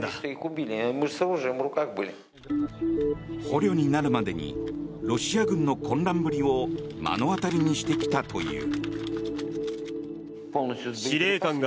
捕虜になるまでにロシア軍の混乱ぶりを目の当たりにしてきたという。